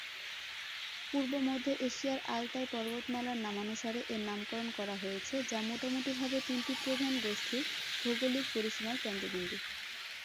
পূর্ব-মধ্য এশিয়ার আলতাই পর্বতমালার নামানুসারে এর নামকরণ করা হয়েছে যা মোটামুটিভাবে তিনটি প্রধান গোষ্ঠীর ভৌগোলিক পরিসীমার কেন্দ্রবিন্দু।